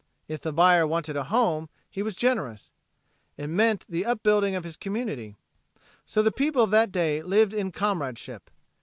If the buyer wanted a home, he was generous. It meant the upbuilding of his community. So the people of that day lived in comradeship.